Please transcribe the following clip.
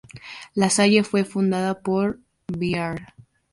La Salle fue fundada por Br.